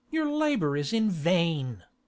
your labour is in vain. _K.